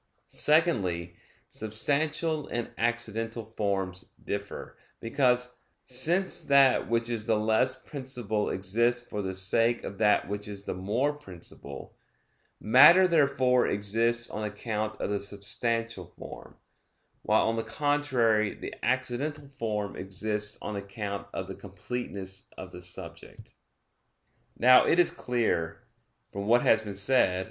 Secondly, substantial and accidental forms differ, because, since that which is the less principal exists for the sake of that which is the more principal, matter therefore exists on account of the substantial form; while on the contrary, the accidental form exists on account of the completeness of the subject. Now it is clear, from what has been said (A.